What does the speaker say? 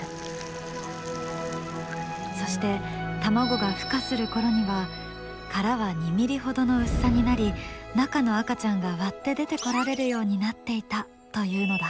そして卵がふ化する頃には殻は２ｍｍほどの薄さになり中の赤ちゃんが割って出てこられるようになっていたというのだ。